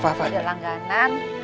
pak hari pak ya